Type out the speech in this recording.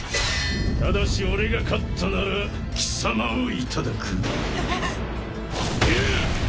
ただし俺が勝ったなら貴様をいただくえっ？やーっ！